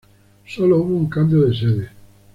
Sólo hubo un cambio de sede.